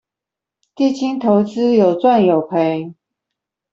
基金投資有賺有賠